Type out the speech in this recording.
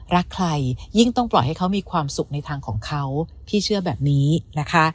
รักใครยิ่งต้องปล่อยให้เขามีความสุขในทางของเขาพี่เชื่อแบบนี้นะคะ